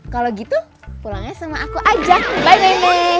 kalau gitu pulangnya sama aku aja bye meme